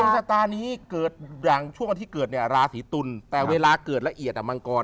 ชะตานี้เกิดอย่างช่วงวันที่เกิดเนี่ยราศีตุลแต่เวลาเกิดละเอียดอ่ะมังกร